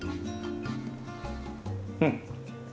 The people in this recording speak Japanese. うん！